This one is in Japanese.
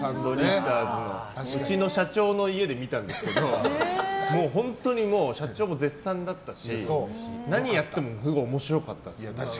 うちの社長の家で見たんですけどもう本当に社長も絶賛だったし何やってもすごく面白かったです。